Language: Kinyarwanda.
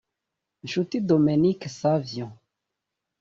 Nshuti Dominique Savio